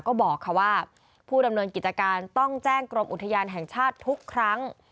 ก็บอกค่ะว่าผู้ดำเนินกิจการต้องแจ้งกรมอุทยานแห่งชาติทุกครั้ง